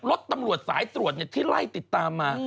รถตำรวจสายตรวจที่ไล่ติดตามมา